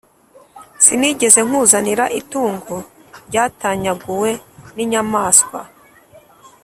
Sinigeze nkuzanira itungo ryatanyaguwe n inyamaswa